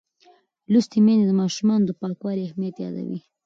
لوستې میندې د ماشومانو د پاکوالي اهمیت یادوي.